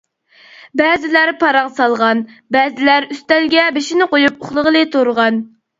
بەزىلەر پاراڭ سالغان، بەزىلەر ئۈستەلگە بېشىنى قويۇپ ئۇخلىغىلى تۇرغان.